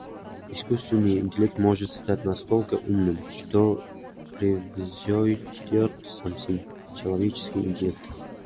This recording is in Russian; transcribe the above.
Искусственный интеллект может стать настолько умным, что превзойдет человеческий интеллект.